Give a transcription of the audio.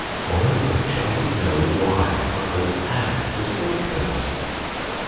Moreover, shall we know why others have disliked us ?